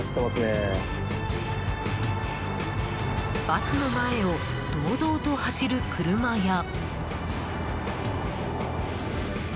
バスの前を堂々と走る車や。